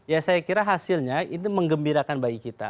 ya saya kira hasilnya itu mengembirakan bagi kita